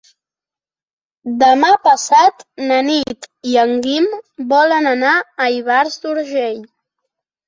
Demà passat na Nit i en Guim volen anar a Ivars d'Urgell.